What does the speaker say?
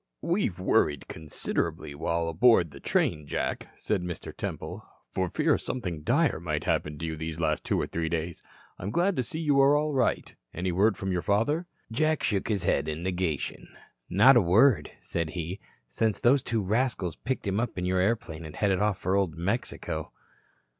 "We've worried considerably while aboard the train, Jack," said Mr. Temple, "for fear something dire might happen to you these last two or three days. I'm glad to see you are all right. Any word from your father?" Jack shook his head in negation. "Not a word," said he, "since those two rascals picked him up in your airplane and headed for Old Mexico."